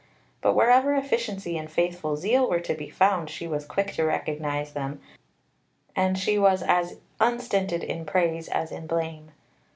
But wherever efficiency and faithful zeal were to be found, she was quick to recognize them, and she was as unstinted in praise as in blame.